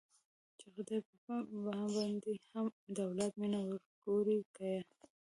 چې خداى به په ما باندې هم د اولاد مينه وګوري که يه.